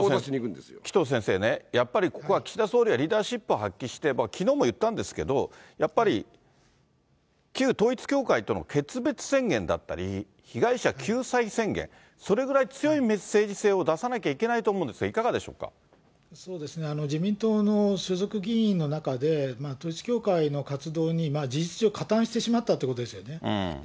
紀藤先生ね、やっぱりここは岸田総理がリーダーシップを発揮して、きのうも言ったんですけれども、やっぱり旧統一教会との決別宣言だったり、被害者救済宣言、それぐらい強いメッセージ性を出さなきゃいけないと思うんですが、自民党の所属議員の中で、統一教会の活動に、事実上、加担してしまったということですよね。